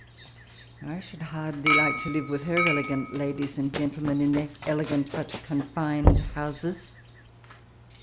I should hardly like to live with her elegant ladies and gen tlemen, in tiieir elegant but confined houses."